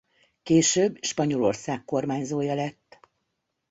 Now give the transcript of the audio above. Később Spanyolország kormányzója lett.